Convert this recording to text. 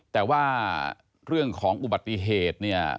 แต่ว่าเรื่องของอุบัติเหตุเนี่ย